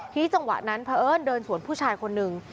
จังหวะนั้นพระเอิญเดินสวนผู้ชายคนหนึ่ง